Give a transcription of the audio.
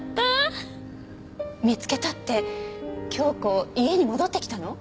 見つけたって京子家に戻ってきたの？